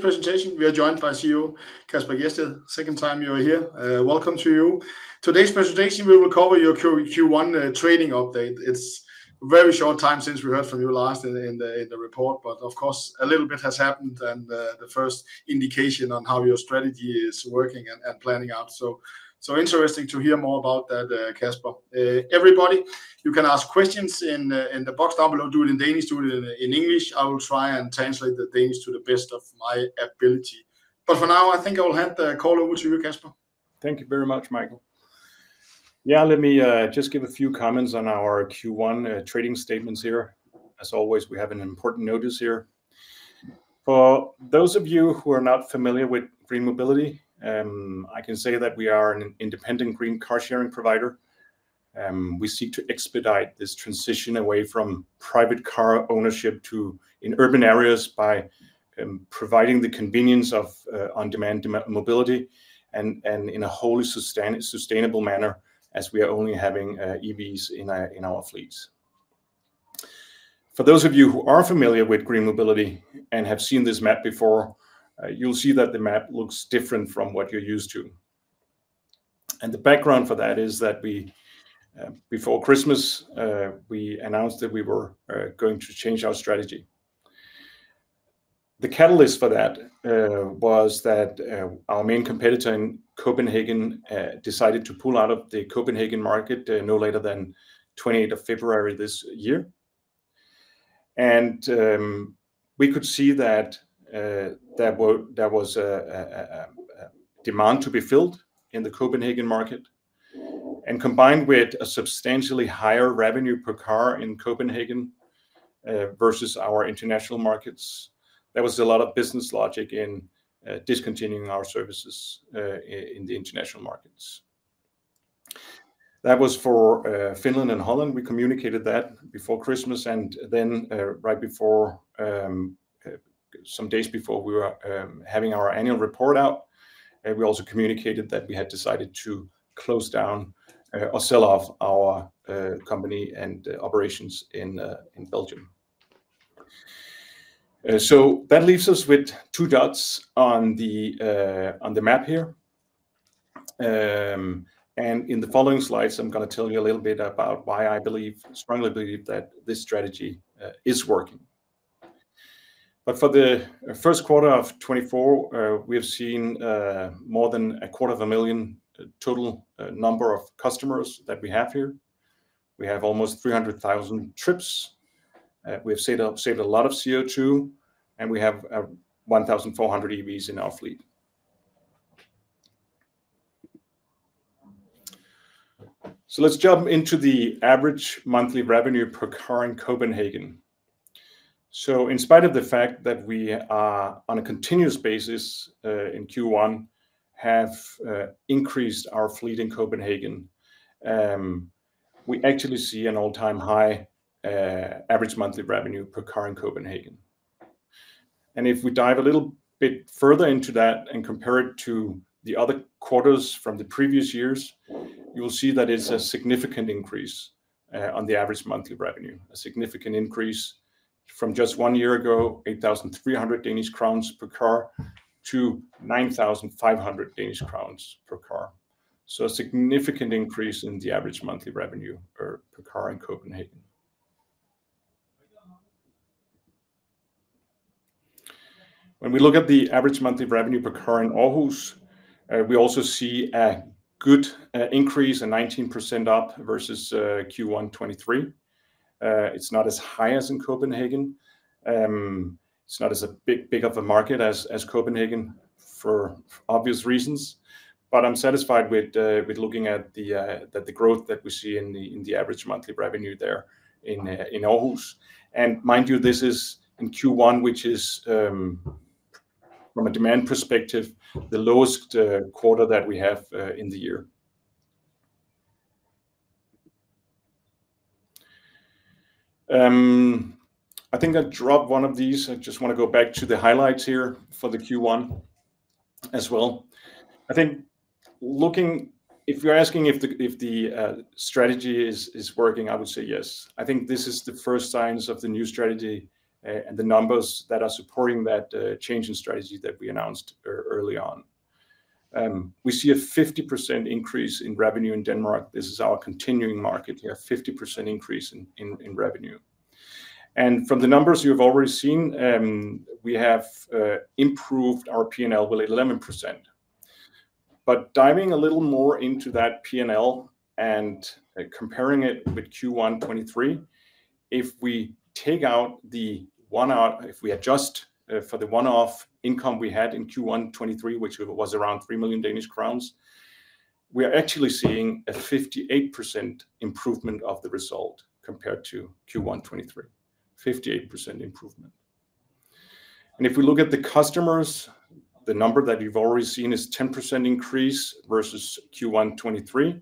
presentation, we are joined by CEO Kasper Gjedsted. Second time you are here. Welcome to you. Today's presentation, we will cover your Q1 trading update. It's very short time since we heard from you last in the report, but of course, a little bit has happened and the first indication on how your strategy is working and planning out. So interesting to hear more about that, Kasper. Everybody, you can ask questions in the box down below, do it in Danish, do it in English. I will try and translate the Danish to the best of my ability. But for now, I think I will hand the call over to you, Kasper. Thank you very much, Michael. Yeah, let me just give a few comments on our Q1 trading statements here. As always, we have an important notice here. For those of you who are not familiar with GreenMobility, I can say that we are an independent green car sharing provider. We seek to expedite this transition away from private car ownership to, in urban areas, by providing the convenience of on-demand mobility and in a wholly sustainable manner, as we are only having EVs in our fleets. For those of you who are familiar with GreenMobility and have seen this map before, you'll see that the map looks different from what you're used to. The background for that is that we, before Christmas, we announced that we were going to change our strategy. The catalyst for that was that our main competitor in Copenhagen decided to pull out of the Copenhagen market no later than 28th of February 2024. We could see that there was a demand to be filled in the Copenhagen market. Combined with a substantially higher revenue per car in Copenhagen versus our international markets, there was a lot of business logic in discontinuing our services in the international markets. That was for Finland and Holland. We communicated that before Christmas, and then, right before, some days before we were having our annual report out, we also communicated that we had decided to close down, or sell off our company and operations in, in Belgium. So that leaves us with two dots on the map here. And in the following slides, I'm gonna tell you a little bit about why I believe, strongly believe, that this strategy is working. But for the first quarter of 2024, we have seen more than 250,000 total number of customers that we have here. We have almost 300,000 trips. We have saved a lot of CO2, and we have 1,400 EVs in our fleet. So let's jump into the average monthly revenue per car in Copenhagen. So in spite of the fact that we are, on a continuous basis, in Q1, have increased our fleet in Copenhagen, we actually see an all-time high average monthly revenue per car in Copenhagen. And if we dive a little bit further into that and compare it to the other quarters from the previous years, you will see that it's a significant increase on the average monthly revenue. A significant increase from just one year ago, 8,300 Danish crowns per car, to 9,500 Danish crowns per car. So a significant increase in the average monthly revenue per car in Copenhagen. When we look at the average monthly revenue per car in Aarhus, we also see a good increase, a 19% up versus Q1 2023. It's not as high as in Copenhagen. It's not as a big, big of a market as Copenhagen, for obvious reasons, but I'm satisfied with looking at the growth that we see in the average monthly revenue there in Aarhus. And mind you, this is in Q1, which is, from a demand perspective, the lowest quarter that we have in the year. I think I dropped one of these. I just want to go back to the highlights here for the Q1 as well. I think looking... If you're asking if the strategy is working, I would say yes. I think this is the first signs of the new strategy, and the numbers that are supporting that, change in strategy that we announced early on. We see a 50% increase in revenue in Denmark. This is our continuing market here, a 50% increase in revenue. And from the numbers you've already seen, we have improved our P&L by 11%. But diving a little more into that P&L and comparing it with Q1 2023, if we adjust for the one-off income we had in Q1 2023, which was around 3 million Danish crowns, we are actually seeing a 58% improvement of the result compared to Q1 2023. 58% improvement. And if we look at the customers, the number that you've already seen is 10% increase versus Q1 2023,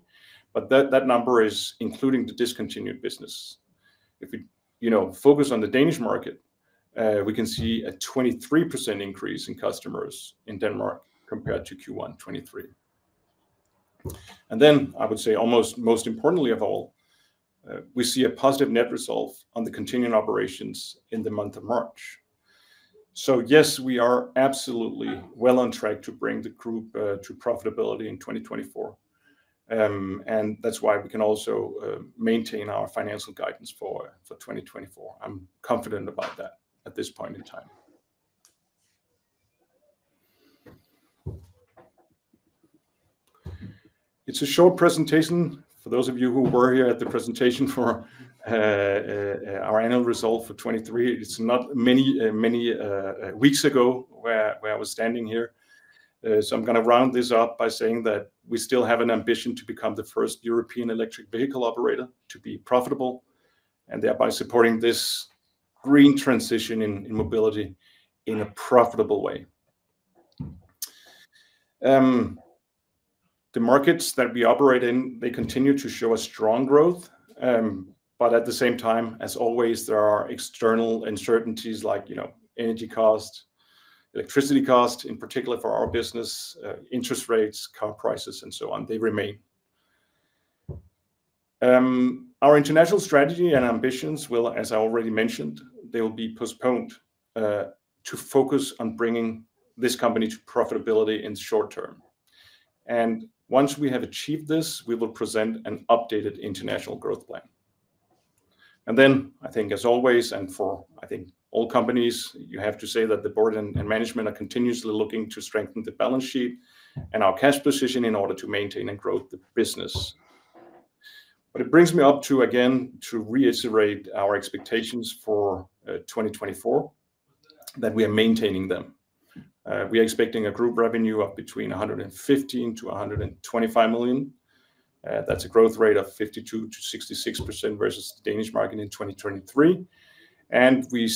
but that number is including the discontinued business. If you, you know, focus on the Danish market, we can see a 23% increase in customers in Denmark compared to Q1 2023. And then I would say almost most importantly of all, we see a positive net result on the continuing operations in the month of March. So yes, we are absolutely well on track to bring the group to profitability in 2024. And that's why we can also maintain our financial guidance for 2024. I'm confident about that at this point in time. It's a short presentation. For those of you who were here at the presentation for 2023, it's not many weeks ago where I was standing here. So I'm gonna round this up by saying that we still have an ambition to become the first European electric vehicle operator to be profitable, and thereby supporting this green transition in mobility in a profitable way. The markets that we operate in, they continue to show a strong growth. But at the same time, as always, there are external uncertainties like, you know, energy costs, electricity costs, in particular for our business, interest rates, car prices, and so on, they remain. Our international strategy and ambitions will, as I already mentioned, they will be postponed to focus on bringing this company to profitability in the short term. Once we have achieved this, we will present an updated international growth plan. Then I think as always, and for I think all companies, you have to say that the board and management are continuously looking to strengthen the balance sheet and our cash position in order to maintain and grow the business. But it brings me up to, again, to reiterate our expectations for 2024, that we are maintaining them. We are expecting a group revenue of between 115 million-125 million. That's a growth rate of 52%-66% versus the Danish market in 2023, and we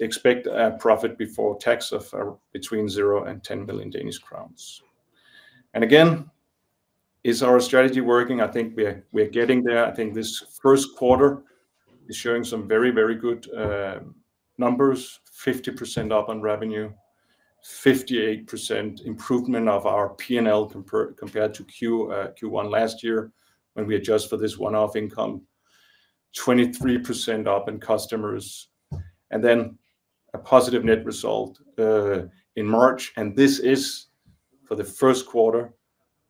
expect a profit before tax of between 0 million-10 million Danish crowns. And again, is our strategy working? I think we're getting there. I think this first quarter is showing some very good numbers. 50% up on revenue, 58% improvement of our P&L compared to Q1 last year when we adjust for this one-off income. 23% up in customers, and then a positive net result in March, and this is for the first quarter,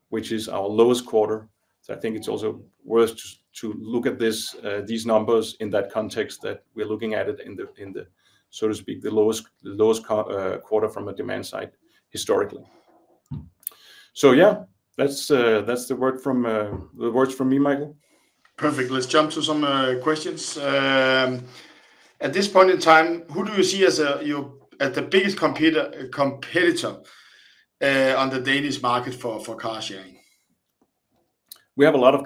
which is our lowest quarter. So I think it's also worth to look at these numbers in that context that we're looking at it in the, in the, so to speak, the lowest quarter from a demand side historically. So yeah, that's the words from me, Michael. Perfect. Let's jump to some questions. At this point in time, who do you see as your biggest competitor on the Danish market for car sharing? We have a lot of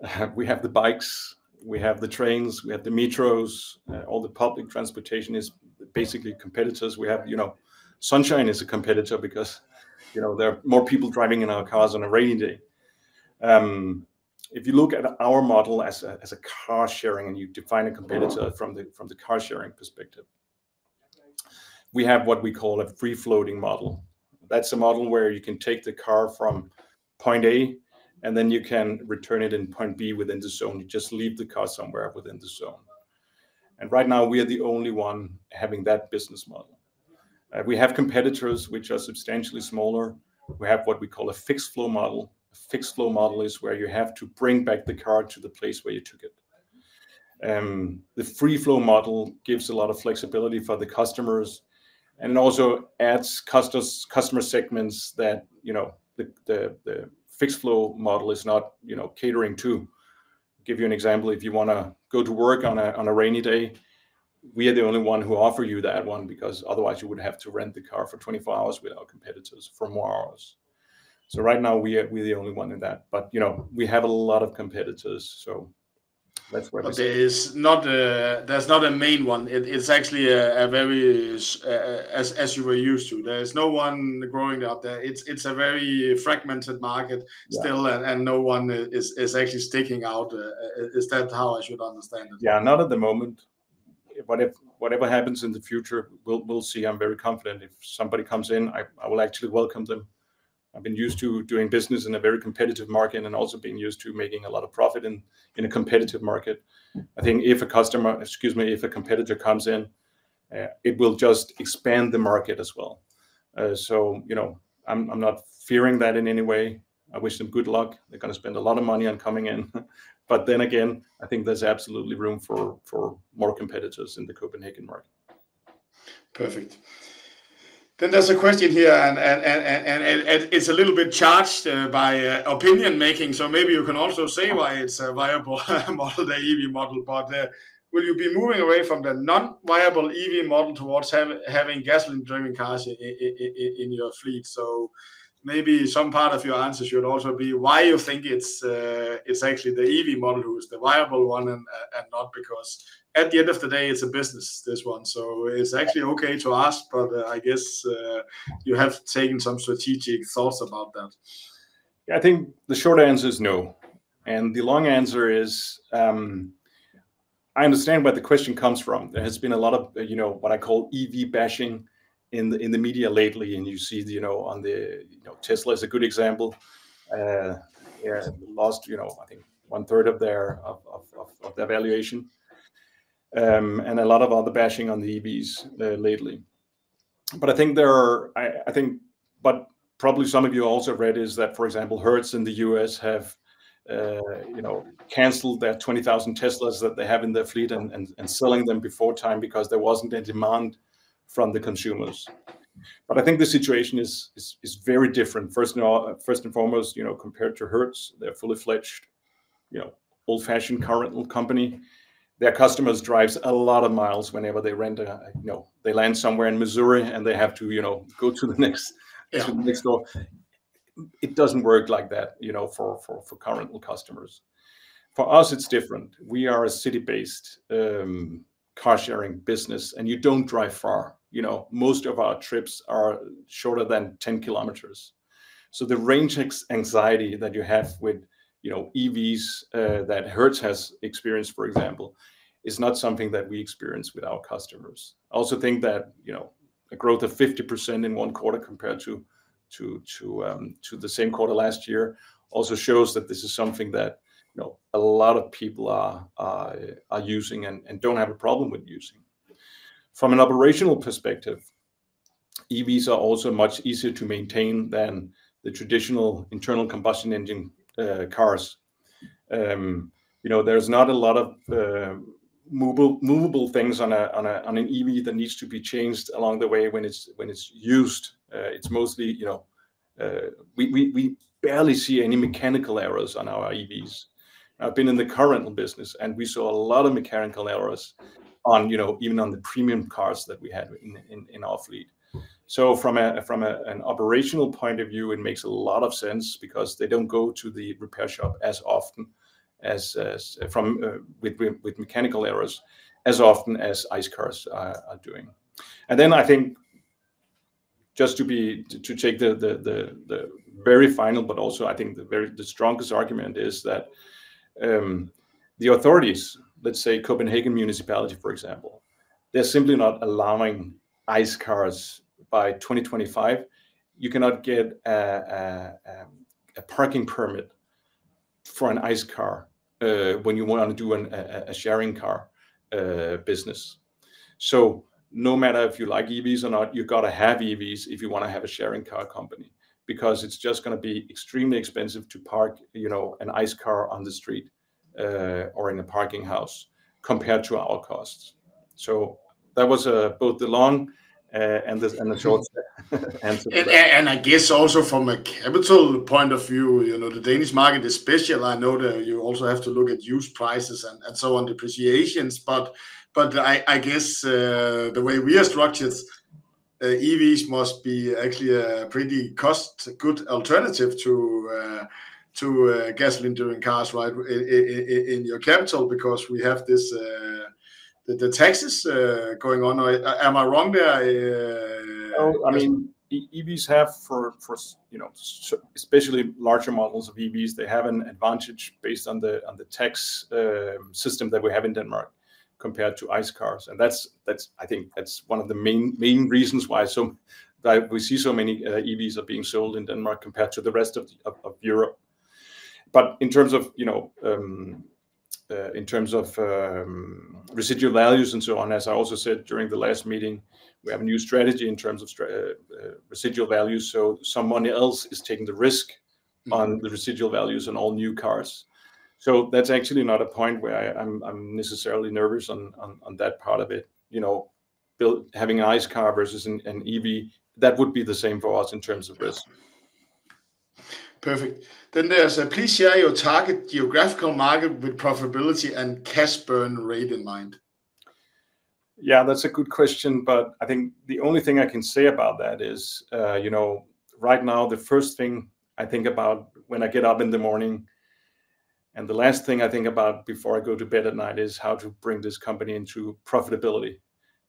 competitors. We have the bikes, we have the trains, we have the metros, all the public transportation is basically competitors. We have, you know, sunshine is a competitor because, you know, there are more people driving in our cars on a rainy day. If you look at our model as a car sharing, and you define a competitor from the car sharing perspective, we have what we call a free-floating model. That's a model where you can take the car from point A, and then you can return it in point B within the zone. You just leave the car somewhere within the zone. And right now, we are the only one having that business model. We have competitors which are substantially smaller. We have what we call a fixed-flow model. A fixed-flow model is where you have to bring back the car to the place where you took it. The free-floating model gives a lot of flexibility for the customers and also adds customer segments that, you know, the fixed-flow model is not, you know, catering to. Give you an example, if you wanna go to work on a, on a rainy day, we are the only one who offer you that one, because otherwise you would have to rent the car for 24 hours with our competitors for more hours. So right now, we're the only one in that. But, you know, we have a lot of competitors, so that's where it is. There's not a main one. It is actually a very, as you were used to, there is no one growing out there. It's a very fragmented market- Yeah... still, and no one is actually sticking out. Is that how I should understand it? Yeah, not at the moment, but if whatever happens in the future, we'll see. I'm very confident if somebody comes in, I will actually welcome them. I've been used to doing business in a very competitive market and also being used to making a lot of profit in a competitive market. I think if a customer, excuse me, if a competitor comes in, it will just expand the market as well. So, you know, I'm not fearing that in any way. I wish them good luck. They're gonna spend a lot of money on coming in. But then again, I think there's absolutely room for more competitors in the Copenhagen market. Perfect. Then there's a question here, and it's a little bit charged by opinion making, so maybe you can also say why it's a viable model, the EV model part there. Will you be moving away from the non-viable EV model towards having gasoline-driven cars in your fleet? So maybe some part of your answer should also be why you think it's actually the EV model who is the viable one and not because at the end of the day, it's a business, this one. So it's actually okay to ask, but I guess you have taken some strategic thoughts about that. Yeah, I think the short answer is no, and the long answer is, I understand where the question comes from. There has been a lot of, you know, what I call EV bashing in the, in the media lately, and you see, you know, on the, you know, Tesla is a good example. They have lost, you know, I think one third of their valuation. And a lot of other bashing on the EVs lately. But I think, but probably some of you also read is that, for example, Hertz in the U.S. have, you know, canceled their 20,000 Teslas that they have in their fleet and selling them before time because there wasn't a demand from the consumers. But I think the situation is very different. First of all, first and foremost, you know, compared to Hertz, they're a fully fledged, you know, old-fashioned car rental company. Their customers drives a lot of miles whenever they rent a, you know, they land somewhere in Missouri and they have to, you know, go to the next - Yeah... next door. It doesn't work like that, you know, for car rental customers. For us, it's different. We are a city-based car-sharing business, and you don't drive far. You know, most of our trips are shorter than 10 km. So the range anxiety that you have with, you know, EVs that Hertz has experienced, for example, is not something that we experience with our customers. I also think that, you know, a growth of 50% in one quarter compared to the same quarter last year also shows that this is something that, you know, a lot of people are using and don't have a problem with using. From an operational perspective, EVs are also much easier to maintain than the traditional internal combustion engine cars. You know, there's not a lot of movable things on an EV that needs to be changed along the way when it's used. It's mostly, you know, we barely see any mechanical errors on our EVs. I've been in the car rental business, and we saw a lot of mechanical errors on, you know, even on the premium cars that we had in our fleet. So from an operational point of view, it makes a lot of sense because they don't go to the repair shop as often as with mechanical errors as often as ICE cars are doing. And then I think just to take the very final, but also I think the very strongest argument is that, the authorities, let's say Copenhagen Municipality, for example, they're simply not allowing ICE cars by 2025. You cannot get a parking permit for an ICE car, when you want to do a sharing car business. So no matter if you like EVs or not, you've got to have EVs if you want to have a sharing car company, because it's just gonna be extremely expensive to park, you know, an ICE car on the street, or in a parking house compared to our costs. So that was both the long and the- Sure... and the short answer. I guess also from a capital point of view, you know, the Danish market especially. I know that you also have to look at used prices and so on, depreciations. But I guess the way we are structured, EVs must be actually a pretty cost good alternative to gasoline-driven cars, right, in your capital because we have this the taxes going on. Am I wrong there? No, I mean, EVs have, you know, so especially larger models of EVs, they have an advantage based on the tax system that we have in Denmark compared to ICE cars. And that's, I think that's one of the main reasons why we see so many EVs are being sold in Denmark compared to the rest of Europe. But in terms of, you know, in terms of residual values and so on, as I also said during the last meeting, we have a new strategy in terms of residual values, so someone else is taking the risk on- Mm... the residual values on all new cars. So that's actually not a point where I'm necessarily nervous on that part of it. You know, having an ICE car versus an EV, that would be the same for us in terms of risk. Yeah. Perfect. Then there's, "Please share your target geographical market with profitability and cash burn rate in mind. Yeah, that's a good question, but I think the only thing I can say about that is, you know, right now, the first thing I think about when I get up in the morning and the last thing I think about before I go to bed at night, is how to bring this company into profitability.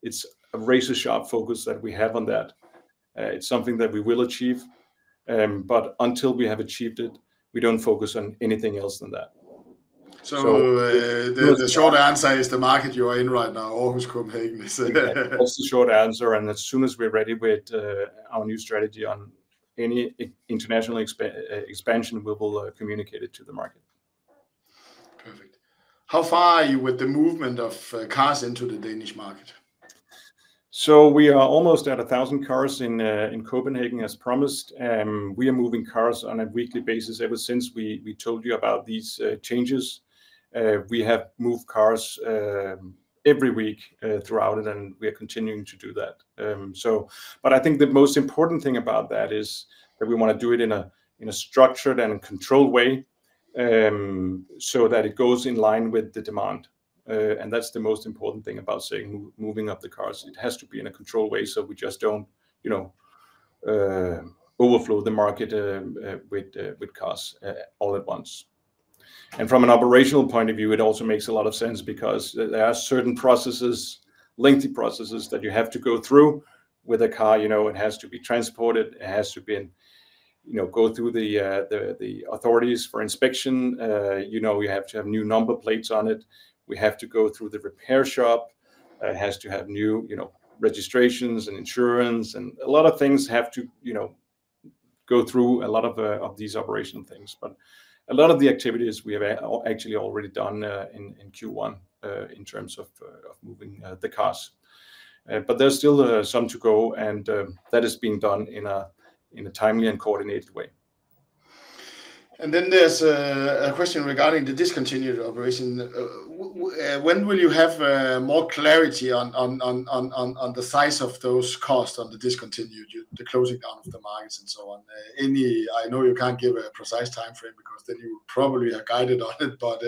It's a razor-sharp focus that we have on that. It's something that we will achieve, but until we have achieved it, we don't focus on anything else than that. So- So-... the short answer is the market you are in right now, Aarhus, Copenhagen. That's the short answer, and as soon as we're ready with our new strategy on any international expansion, we will communicate it to the market. Perfect. "How far are you with the movement of cars into the Danish market? So we are almost at 1,000 cars in Copenhagen, as promised. We are moving cars on a weekly basis ever since we told you about these changes. We have moved cars every week throughout it, and we are continuing to do that. So but I think the most important thing about that is that we want to do it in a structured and controlled way, so that it goes in line with the demand. And that's the most important thing about, say, moving up the cars. It has to be in a controlled way, so we just don't, you know, overflow the market with cars all at once. And from an operational point of view, it also makes a lot of sense because there are certain processes... Lengthy processes that you have to go through with a car. You know, it has to be transported, it has to be in, you know, go through the authorities for inspection. You know, we have to have new number plates on it. We have to go through the repair shop. It has to have new, you know, registrations and insurance, and a lot of things have to, you know, go through a lot of these operational things. But a lot of the activities we have actually already done in Q1 in terms of moving the cars. But there's still some to go, and that is being done in a timely and coordinated way. Then there's a question regarding the discontinued operation. When will you have more clarity on the size of those costs on the discontinued, the closing down of the mines and so on? I know you can't give a precise timeframe, because then you probably are guided on it, but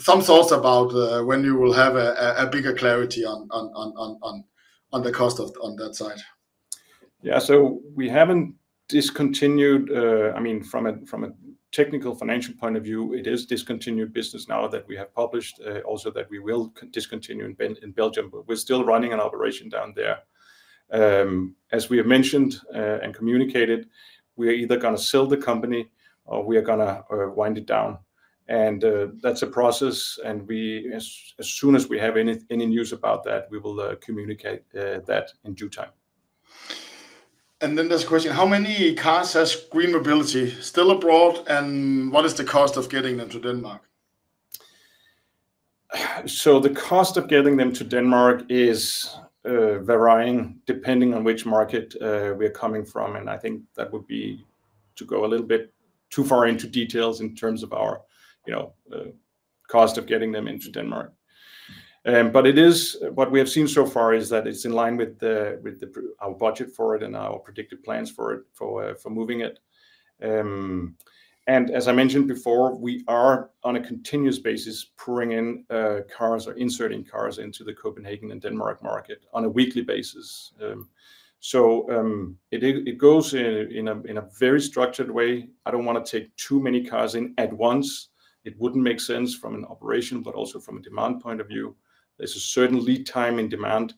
some thoughts about when you will have a bigger clarity on the cost, on that side? Yeah. So we haven't discontinued, I mean, from a technical financial point of view, it is discontinued business now that we have published, also that we will discontinue in Belgium, but we're still running an operation down there. As we have mentioned, and communicated, we are either gonna sell the company or we are gonna wind it down. And, that's a process, and we, as soon as we have any news about that, we will communicate that in due time. And then there's a question: How many cars has GreenMobility still abroad, and what is the cost of getting them to Denmark? So the cost of getting them to Denmark is varying depending on which market we are coming from, and I think that would be to go a little bit too far into details in terms of our, you know, cost of getting them into Denmark. But what we have seen so far is that it's in line with our budget for it and our predicted plans for it, for moving it. And as I mentioned before, we are on a continuous basis bringing in cars or inserting cars into the Copenhagen and Denmark market on a weekly basis. So it goes in a very structured way. I don't wanna take too many cars in at once. It wouldn't make sense from an operation, but also from a demand point of view. There's a certain lead time in demand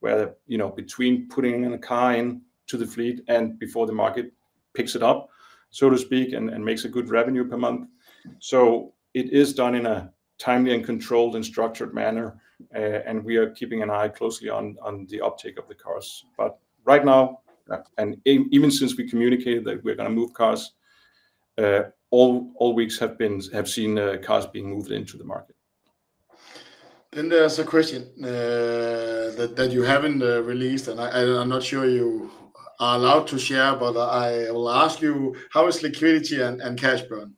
where, you know, between putting in a car in to the fleet and before the market picks it up, so to speak, and makes a good revenue per month. So it is done in a timely and controlled and structured manner, and we are keeping an eye closely on the uptake of the cars. But right now, and even since we communicated that we're gonna move cars, all weeks have seen cars being moved into the market. Then there's a question that you haven't released, and I, I'm not sure you are allowed to share, but I will ask you: How is liquidity and cash burn?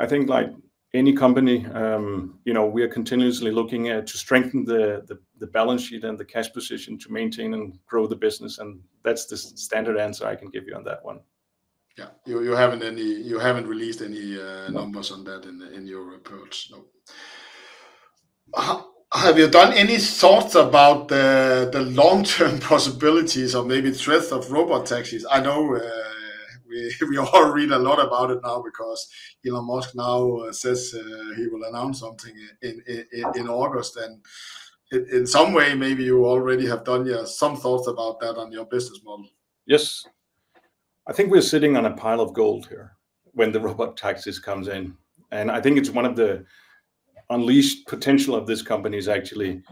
I think like any company, you know, we are continuously looking at to strengthen the balance sheet and the cash position to maintain and grow the business, and that's the standard answer I can give you on that one. Yeah. You haven't released any. No... numbers on that in the, in your reports, no. Have you done any thoughts about the long-term possibilities or maybe threats of robot taxis? I know, we all read a lot about it now because Elon Musk now says, he will announce something in August. And in some way, maybe you already have done, yeah, some thoughts about that on your business model. Yes. I think we're sitting on a pile of gold here when the robot taxis comes in, and I think it's one of the unleashed potential of this company is actually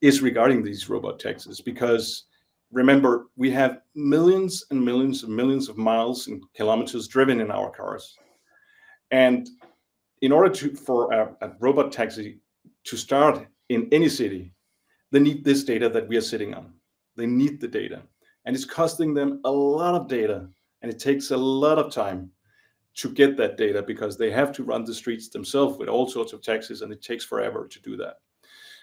is regarding these robot taxis. Because remember, we have millions and millions and millions of miles and kilometers driven in our cars, and in order for a robot taxi to start in any city, they need this data that we are sitting on. They need the data, and it's costing them a lot of data, and it takes a lot of time to get that data because they have to run the streets themselves with all sorts of taxis, and it takes forever to do that.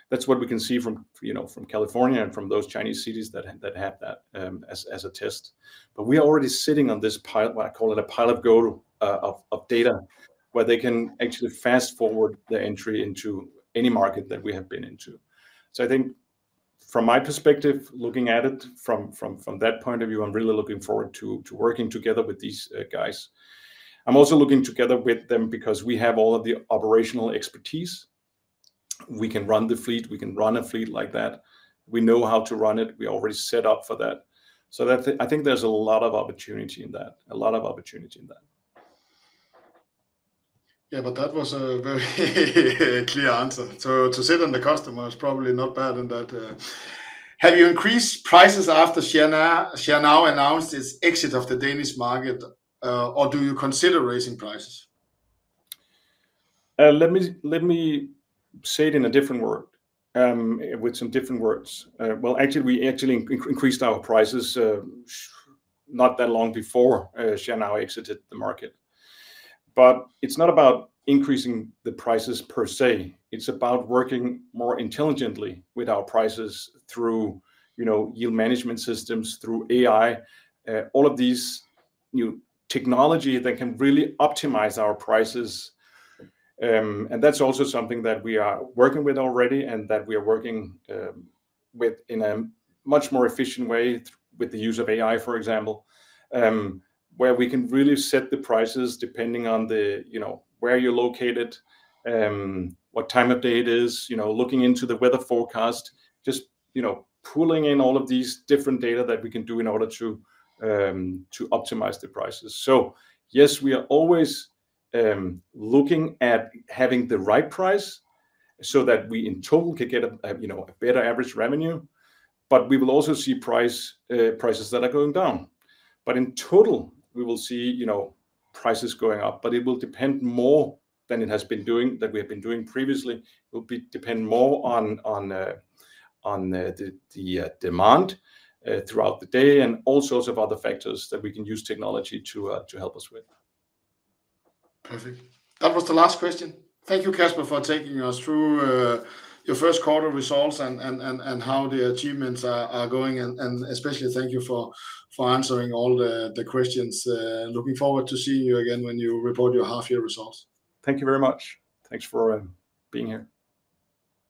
That's what we can see from, you know, from California and from those Chinese cities that have that, as a test. But we are already sitting on this pile, what I call it, a pile of gold, of data, where they can actually fast-forward the entry into any market that we have been into. So I think from my perspective, looking at it from that point of view, I'm really looking forward to working together with these guys. I'm also looking together with them because we have all of the operational expertise. We can run the fleet. We can run a fleet like that. We know how to run it. We are already set up for that. So that, I think there's a lot of opportunity in that, a lot of opportunity in that. Yeah, but that was a very clear answer. So to sit on the customer is probably not bad in that... Have you increased prices after SHARE NOW announced its exit of the Danish market, or do you consider raising prices? Let me, let me say it in a different word, with some different words. Well, actually, we actually increased our prices, not that long before, SHARE NOW exited the market. But it's not about increasing the prices per se, it's about working more intelligently with our prices through, you know, yield management systems, through AI, all of these new technology that can really optimize our prices. And that's also something that we are working with already and that we are working with in a much more efficient way with the use of AI, for example, where we can really set the prices depending on the, you know, where you're located, what time of day it is, you know, looking into the weather forecast, just, you know, pulling in all of these different data that we can do in order to to optimize the prices. So yes, we are always looking at having the right price so that we in total can get a, you know, a better average revenue, but we will also see prices that are going down. But in total, we will see, you know, prices going up, but it will depend more than it has been doing, than we have been doing previously. It will depend more on the demand throughout the day, and all sorts of other factors that we can use technology to help us with. Perfect. That was the last question. Thank you, Kasper, for taking us through your first quarter results and how the achievements are going, and especially thank you for answering all the questions. Looking forward to seeing you again when you report your half-year results. Thank you very much. Thanks for being here.